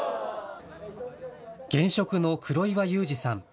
現職の黒岩祐治さん。